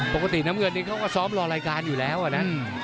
ปกติน้ำเงินนี้เขาก็ซ้อมรอรายการอยู่แล้วอะนะ